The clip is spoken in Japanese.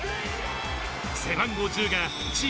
背番号１０がチー